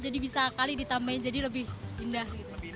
jadi bisa kali ditambahin jadi lebih indah